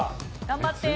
頑張って。